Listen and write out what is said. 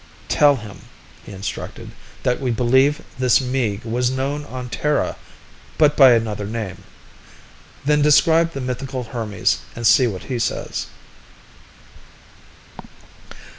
"Tell him," he instructed, "that we believe this Meeg was known on Terra, but by another name. Then describe the mythical Hermes and see what he says."